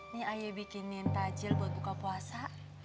ini ayo bikinin tajil buat buka puasa